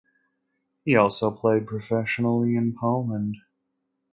He also played professionally in Poland.